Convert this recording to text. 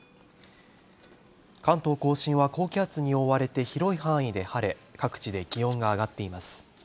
関東甲信は高気圧に覆われて広い範囲で晴れ各地で気温が上がっています。